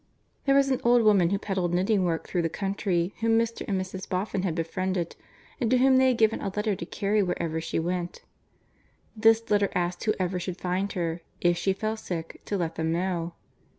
There was an old woman who peddled knitting work through the country whom Mr. and Mrs. Boffin had befriended, and to whom they had given a letter to carry wherever she went. This letter asked whoever should find her, if she fell sick, to let them know.